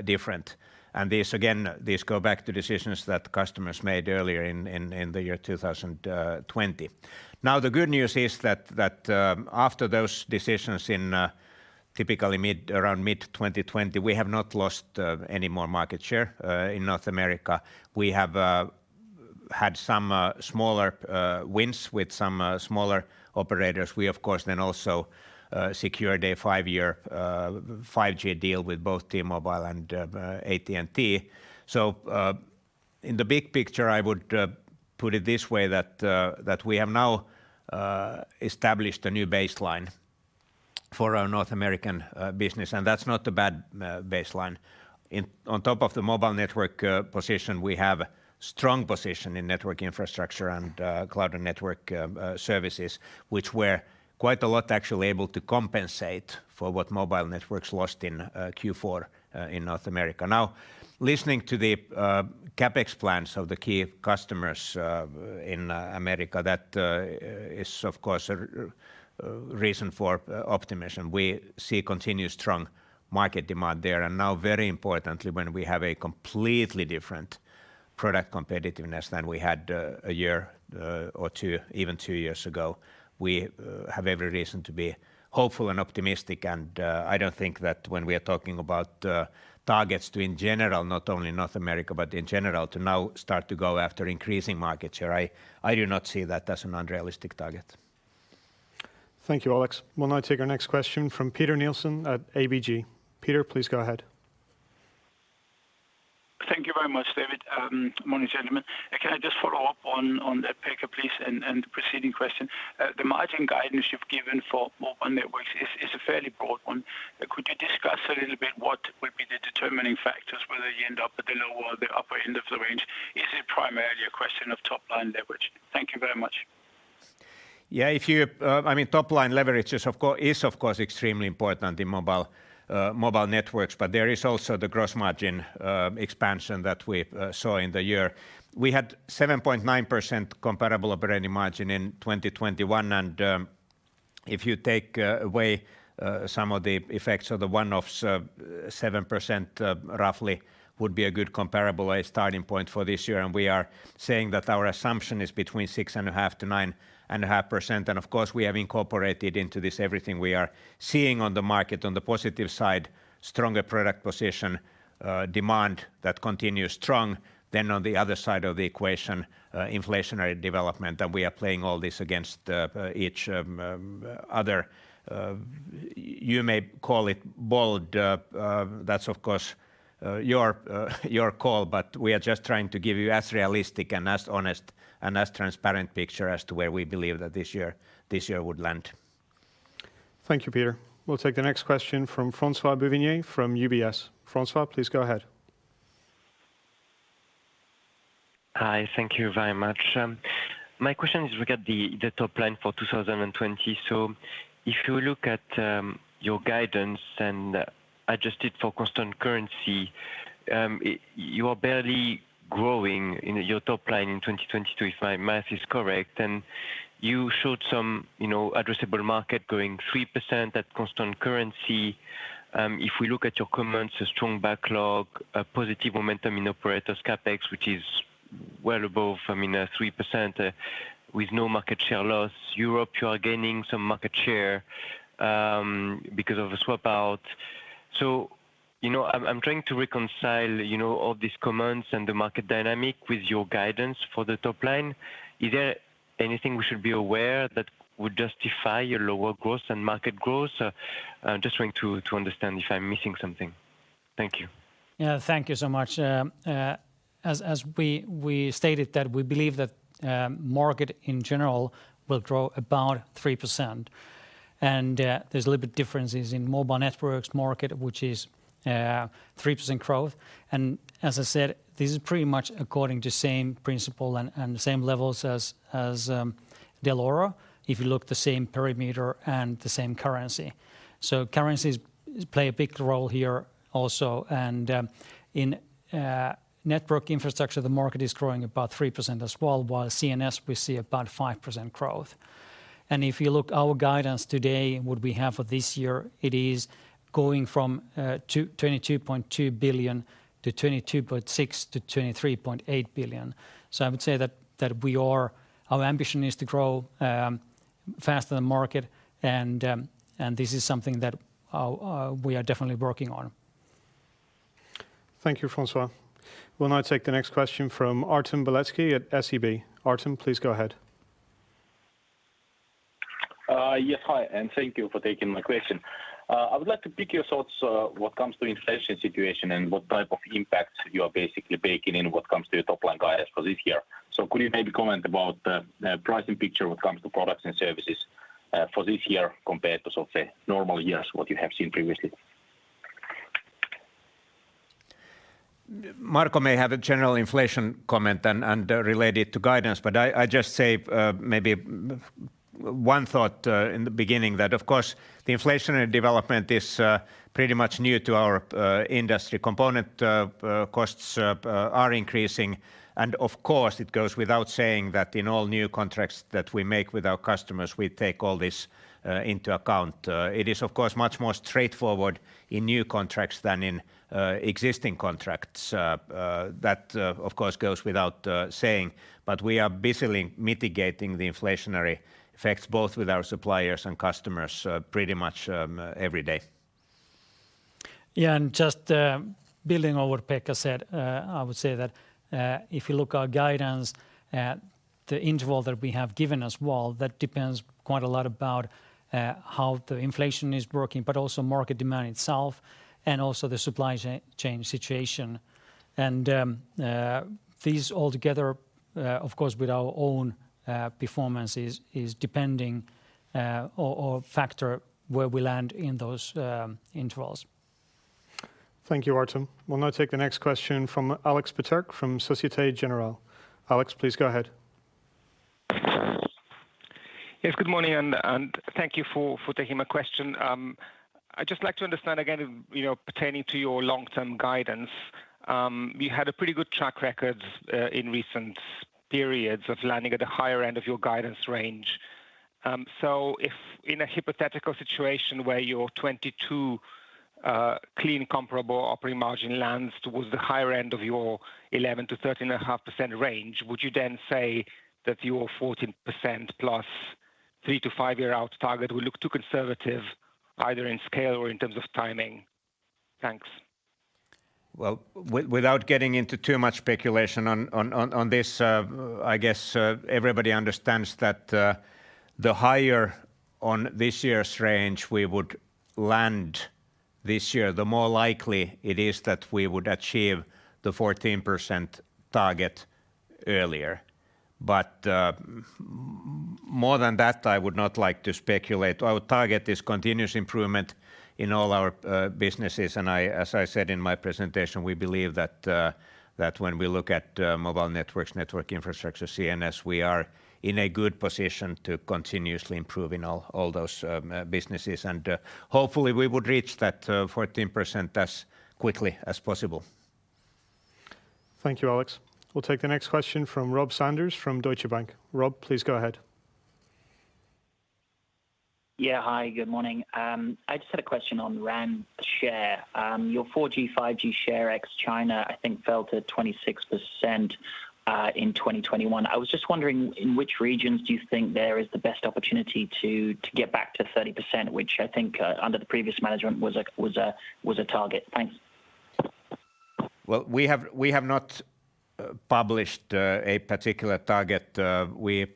different. This, again, goes back to decisions that customers made earlier in the year 2020. Now, the good news is that after those decisions, typically around mid-2020, we have not lost any more market share in North America. We have had some smaller wins with some smaller operators. We, of course, then also secured a five-year 5G deal with both T-Mobile and AT&T. In the big picture, I would put it this way that we have now established a new baseline for our North American business, and that's not a bad baseline. On top of the Mobile Networks position, we have strong position in Network Infrastructure and Cloud and Network Services, which we're quite a lot actually able to compensate for what Mobile Networks lost in Q4 in North America. Now, listening to the CapEx plans of the key customers in America, that is of course a reason for optimism. We see continued strong market demand there. Now very importantly, when we have a completely different product competitiveness than we had a year or two, even two years ago, we have every reason to be hopeful and optimistic. I don't think that when we are talking about targets to, in general, not only in North America, but in general, to now start to go after increasing market share. I do not see that as an unrealistic target. Thank you, Alex. We'll now take our next question from Peter Nielsen at ABG. Peter, please go ahead. Thank you very much, David. Morning, gentlemen. Can I just follow up on that, Pekka, please, and preceding question? The margin guidance you've given for Mobile Networks is a fairly broad one. Could you discuss a little bit what would be the determining factors whether you end up at the lower or the upper end of the range? Is it primarily a question of top-line leverage? Thank you very much. I mean, top-line leverage is of course extremely important in Mobile Networks, but there is also the gross margin expansion that we saw in the year. We had 7.9% comparable operating margin in 2021. If you take away some of the effects of the one-offs, 7% roughly would be a good comparable starting point for this year. We are saying that our assumption is between 6.5%-9.5%. Of course, we have incorporated into this everything we are seeing on the market. On the positive side, stronger product position, demand that continues strong. Then on the other side of the equation, inflationary development, and we are playing all this against each other. You may call it bold. That's of course your call, but we are just trying to give you as realistic and as honest and as transparent picture as to where we believe that this year would land. Thank you, Peter. We'll take the next question from Francois-Xavier Bouvignies from UBS. Francois, please go ahead. Hi. Thank you very much. My question is regarding the top line for 2020. If you look at your guidance and adjusted for constant currency, you are barely growing in your top line in 2022, if my math is correct. You showed some addressable market growing 3% at constant currency. If we look at your comments, a strong backlog, a positive momentum in operators CapEx, which is well above 3%, with no market share loss. Europe, you are gaining some market share because of a swap out. You know, I'm trying to reconcile all these comments and the market dynamic with your guidance for the top line. Is there anything we should be aware that would justify your lower growth and market growth? Just trying to understand if I'm missing something. Thank you. Yeah. Thank you so much. As we stated that we believe that market in general will grow about 3%. There's a little bit differences in Mobile Networks market, which is 3% growth. As I said, this is pretty much according to same principle and the same levels as Dell'Oro, if you look the same parameters and the same currency. Currencies play a big role here also. In Network Infrastructure, the market is growing about 3% as well. While CNS, we see about 5% growth. If you look our guidance today, what we have for this year, it is going from 22.2 billion to 22.6-23.8 billion. I would say that our ambition is to grow faster than market and this is something that we are definitely working on. Thank you, Francois. We'll now take the next question from Artem Beletski at SEB. Artem, please go ahead. Yes. Hi, and thank you for taking my question. I would like to get your thoughts when it comes to the inflation situation and what type of impact you are basically baking in when it comes to your top line guidance for this year. Could you maybe comment about the pricing picture when it comes to products and services for this year compared to sort of normal years, what you have seen previously? Marco may have a general inflation comment related to guidance, but I just say maybe one thought in the beginning that of course the inflationary development is pretty much new to our industry. Component costs are increasing. Of course, it goes without saying that in all new contracts that we make with our customers, we take all this into account. It is of course much more straightforward in new contracts than in existing contracts. That of course goes without saying. We are busily mitigating the inflationary effects both with our suppliers and customers pretty much every day. Yeah. Just building on what Pekka said, I would say that if you look at our guidance at the interval that we have given as well, that depends quite a lot on how the inflation is working, but also market demand itself and also the supply chain situation. These all together, of course, with our own performance are factors where we land in those intervals. Thank you, Artem. We'll now take the next question from Aleksander Peterc from Société Générale. Alex, please go ahead. Yes. Good morning, and thank you for taking my question. I'd just like to understand again, you know, pertaining to your long-term guidance. You had a pretty good track record in recent periods of landing at the higher end of your guidance range. So if in a hypothetical situation where your 2022 clean comparable operating margin lands towards the higher end of your 11%-13.5% range, would you then say that your 14%+ three to five year out target would look too conservative either in scale or in terms of timing? Thanks. Well, without getting into too much speculation on this, I guess everybody understands that the higher end of this year's range we would land this year, the more likely it is that we would achieve the 14% target earlier. More than that, I would not like to speculate. Our target is continuous improvement in all our businesses. As I said in my presentation, we believe that when we look at Mobile Networks, Network Infrastructure, CNS, we are in a good position to continuously improve in all those businesses. Hopefully we would reach that 14% as quickly as possible. Thank you, Alex. We'll take the next question from Robert Sanders from Deutsche Bank. Rob, please go ahead. Yeah. Hi. Good morning. I just had a question on RAN share. Your 4G, 5G share ex-China I think fell to 26% in 2021. I was just wondering, in which regions do you think there is the best opportunity to get back to 30%, which I think under the previous management was a target? Thanks. Well, we have not published a particular target. We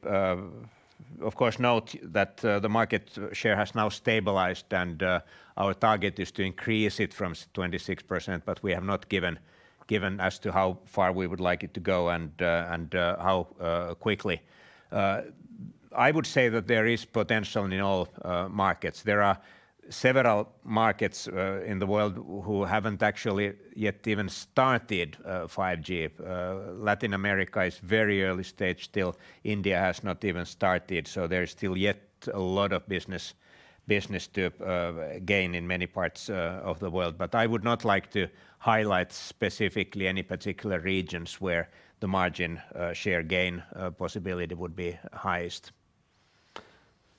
of course note that the market share has now stabilized, and our target is to increase it from 26%, but we have not given as to how far we would like it to go and how quickly. I would say that there is potential in all markets. There are several markets in the world who haven't actually yet even started 5G. Latin America is very early stage still. India has not even started. There is still yet a lot of business to gain in many parts of the world. I would not like to highlight specifically any particular regions where the market share gain possibility would be highest.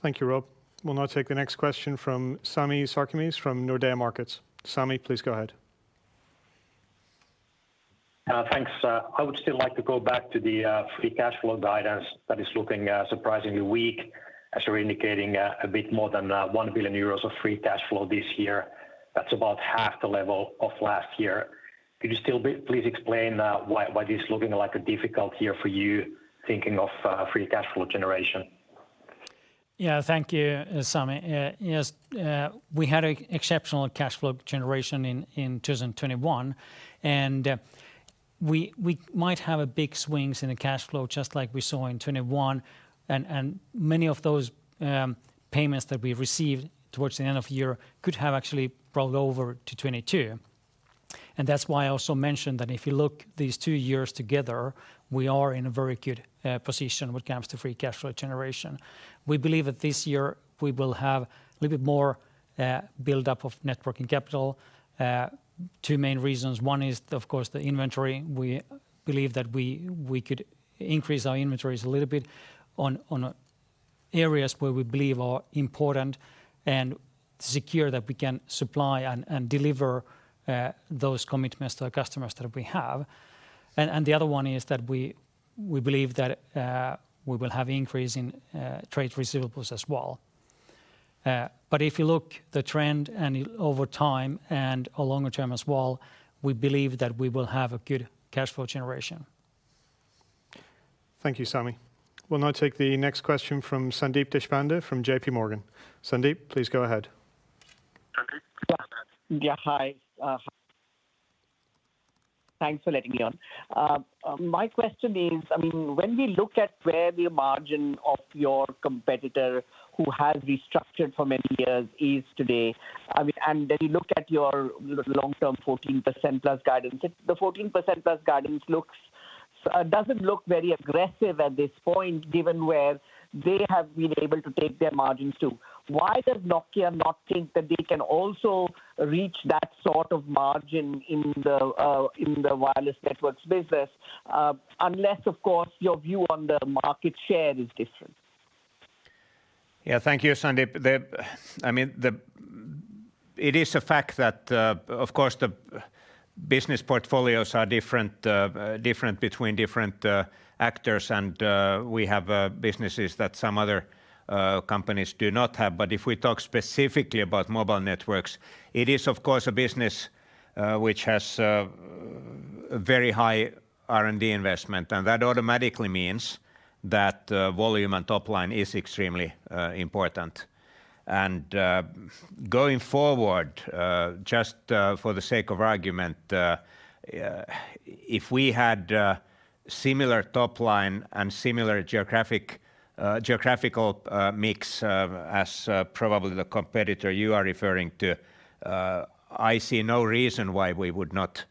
Thank you, Rob. We'll now take the next question from Sami Sarkamies from Nordea Markets. Sami, please go ahead. Thanks. I would still like to go back to the free cash flow guidance that is looking surprisingly weak, as you're indicating a bit more than 1 billion euros of free cash flow this year. That's about half the level of last year. Could you please explain why this is looking like a difficult year for you, thinking of free cash flow generation? Thank you, Sammy. Yes, we had an exceptional cash flow generation in 2021, and we might have big swings in the cash flow, just like we saw in 2021. Many of those payments that we received towards the end of year could have actually rolled over to 2022. That's why I also mentioned that if you look these two years together, we are in a very good position when it comes to free cash flow generation. We believe that this year we will have a little bit more buildup of net working capital. Two main reasons. One is of course the inventory. We believe that we could increase our inventories a little bit in areas where we believe are important and secure that we can supply and deliver those commitments to the customers that we have. The other one is that we believe that we will have an increase in trade receivables as well. But if you look at the trend and over time and longer term as well, we believe that we will have a good cash flow generation. Thank you, Sami. We'll now take the next question from Sandeep Deshpande from JPMorgan. Sandeep, please go ahead. Sandeep Deshpande. Yeah. Hi. Thanks for letting me on. My question is, I mean, when we look at where the margin of your competitor who has restructured for many years is today, I mean, and then you look at your, you know, long-term 14%+ guidance, the 14%+ guidance doesn't look very aggressive at this point, given where they have been able to take their margins to. Why does Nokia not think that they can also reach that sort of margin in the wireless networks business? Unless, of course, your view on the market share is different. Yeah, thank you, Sandeep. I mean, it is a fact that, of course, the business portfolios are different between different actors and we have businesses that some other companies do not have. If we talk specifically about Mobile Networks, it is of course a business which has very high R&D investment, and that automatically means that volume and top line is extremely important. Going forward, just for the sake of argument, if we had similar top line and similar geographical mix as probably the competitor you are referring to, I see no reason why we would not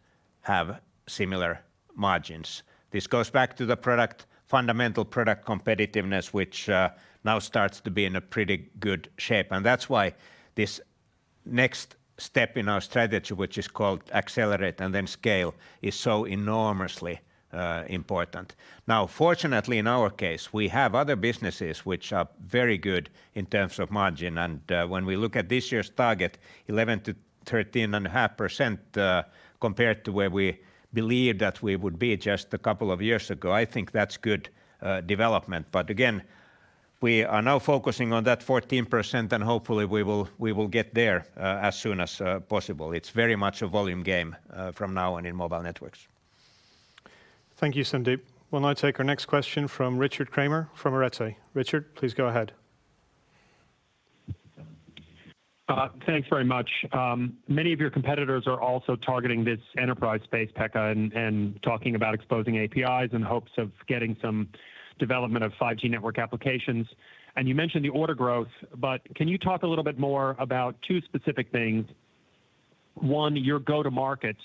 have similar margins. This goes back to the product, fundamental product competitiveness, which now starts to be in a pretty good shape. That's why this next step in our strategy, which is called accelerate and then scale, is so enormously important. Now, fortunately, in our case, we have other businesses which are very good in terms of margin. When we look at this year's target, 11%-13.5%, compared to where we believed that we would be just a couple of years ago, I think that's good development. Again, we are now focusing on that 14%, and hopefully we will get there as soon as possible. It's very much a volume game from now on in Mobile Networks. Thank you, Sandeep. We'll now take our next question from Richard Kramer from Arete. Richard, please go ahead. Thanks very much. Many of your competitors are also targeting this enterprise space, Pekka, and talking about exposing APIs in hopes of getting some development of 5G network applications. You mentioned the order growth, but can you talk a little bit more about two specific things? One, your go-to-market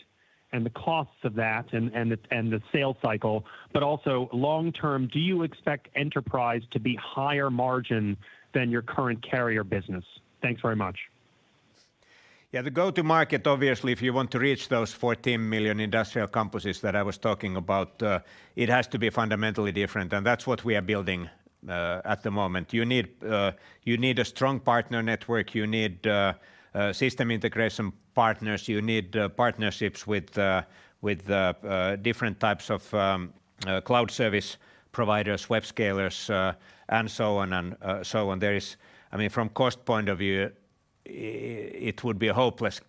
and the costs of that and the sales cycle. Also long-term, do you expect enterprise to be higher margin than your current carrier business? Thanks very much. Yeah. The go-to-market, obviously, if you want to reach those 14 million industrial campuses that I was talking about, it has to be fundamentally different, and that's what we are building at the moment. You need a strong partner network. You need system integration partners. You need partnerships with different types of cloud service providers, hyperscalers, and so on and so on. I mean, from cost point of view, it would be a hopeless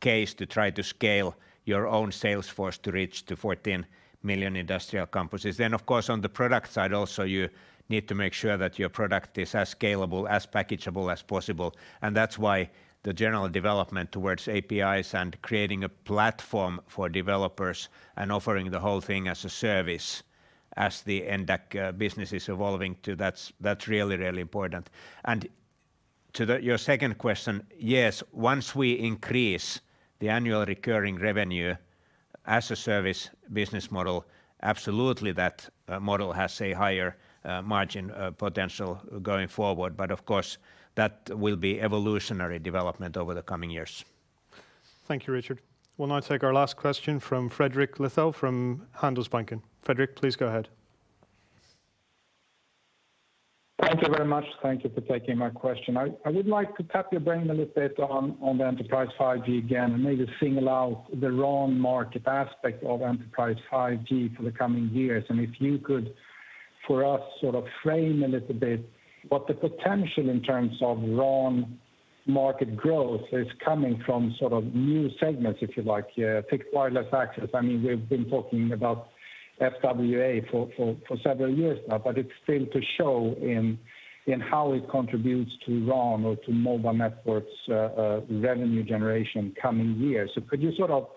case to try to scale your own sales force to reach 14 million industrial campuses. Then, of course, on the product side also, you need to make sure that your product is as scalable, as packageable as possible. That's why the general development towards APIs and creating a platform for developers and offering the whole thing as a service, as the end-to-end business is evolving to, that's really important. To your second question, yes, once we increase the annual recurring revenue as a service business model, absolutely that model has a higher margin potential going forward. Of course, that will be evolutionary development over the coming years. Thank you, Richard. We'll now take our last question from Fredrik Lithell from Handelsbanken. Fredrik, please go ahead. Thank you very much. Thank you for taking my question. I would like to tap your brain a little bit on the enterprise 5G again and maybe single out the RAN market aspect of enterprise 5G for the coming years. If you could, for us, sort of frame a little bit what the potential in terms of RAN market growth is coming from sort of new segments, if you like. Take wireless access. I mean, we've been talking about FWA for several years now, but it's still to show in how it contributes to RAN or to mobile networks' revenue generation coming years. Could you sort of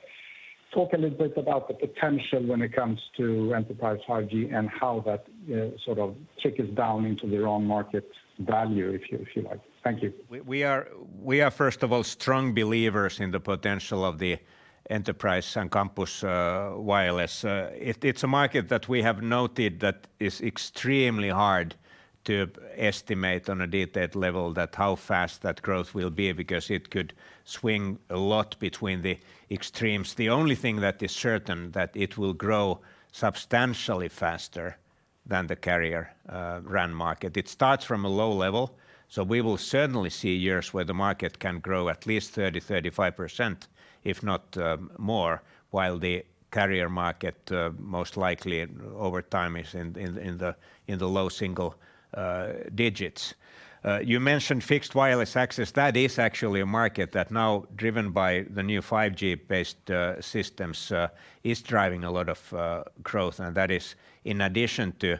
talk a little bit about the potential when it comes to enterprise 5G and how that sort of trickles down into the RAN market value, if you like? Thank you. We are first of all strong believers in the potential of the enterprise and campus wireless. It is a market that we have noted that is extremely hard to estimate on a detailed level that how fast that growth will be because it could swing a lot between the extremes. The only thing that is certain that it will grow substantially faster than the carrier RAN market. It starts from a low level, so we will certainly see years where the market can grow at least 35%, if not more, while the carrier market most likely over time is in the low single digits. You mentioned fixed wireless access. That is actually a market that now, driven by the new 5G-based systems, is driving a lot of growth. That is in addition to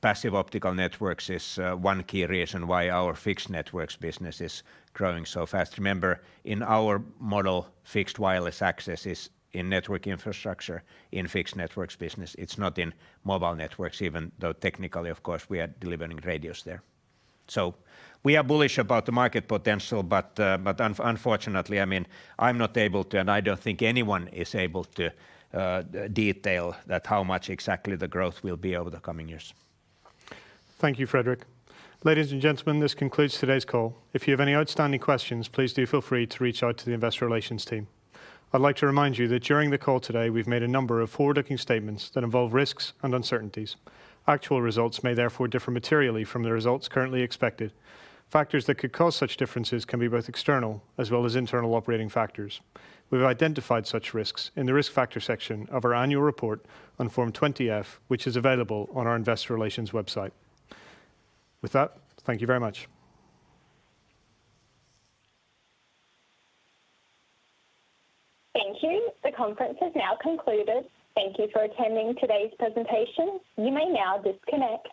passive optical networks is one key reason why our Fixed Networks business is growing so fast. Remember, in our model, Fixed Wireless Access is in Network Infrastructure in Fixed Networks business. It's not in Mobile Networks, even though technically, of course, we are delivering radios there. We are bullish about the market potential, but unfortunately, I mean, I'm not able to, and I don't think anyone is able to, detail that how much exactly the growth will be over the coming years. Thank you, Fredrik. Ladies and gentlemen, this concludes today's call. If you have any outstanding questions, please do feel free to reach out to the investor relations team. I'd like to remind you that during the call today, we've made a number of forward-looking statements that involve risks and uncertainties. Actual results may therefore differ materially from the results currently expected. Factors that could cause such differences can be both external as well as internal operating factors. We've identified such risks in the Risk Factors section of our annual report on Form 20-F, which is available on our investor relations website. With that, thank you very much. Thank you. The conference has now concluded. Thank you for attending today's presentation. You may now disconnect.